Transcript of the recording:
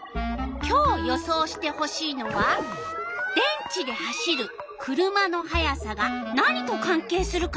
今日予想してほしいのは電池で走る車の速さが何と関係するかよ。